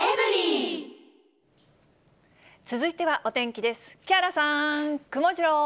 続いてはお天気です。